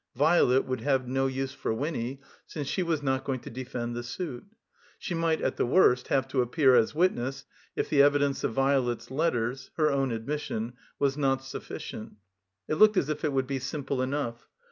Violet would have no use for Winny, since she was not going to defend the suit. She might — ^at the worst — ^have to appear as witness, if the evidence of Violet's letters (her own admission) was not sufficient. It looked as if it woxdd be simple enough.